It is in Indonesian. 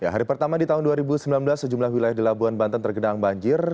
hari pertama di tahun dua ribu sembilan belas sejumlah wilayah di labuan banten tergenang banjir